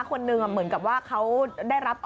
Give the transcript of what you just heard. กี่ชามครับ